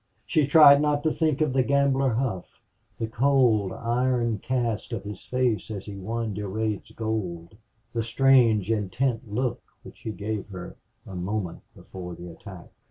She tried not to think of the gambler Hough the cold iron cast of his face as he won Durade's gold, the strange, intent look which he gave her a moment before the attack.